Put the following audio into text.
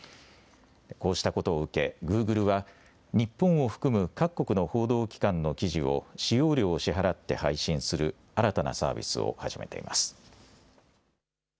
こうしたことを受け、グーグルは日本を含む各国の報道機関の記事を使用料を支払って配信する新たなサービスを始めています。